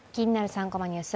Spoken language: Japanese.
３コマニュース」